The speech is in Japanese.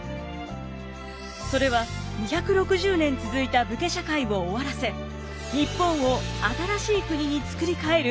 それは２６０年続いた武家社会を終わらせ日本を新しい国につくり変える